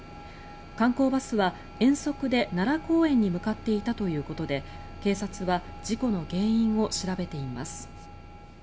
観光バスは遠足で奈良公園に向かっていたということで警察は事故の原因を調べています。